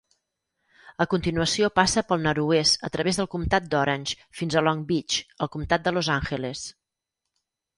A continuació passa pel nord-oest a través del comtat d'Orange, fins a Long Beach, al comtat de Los Angeles.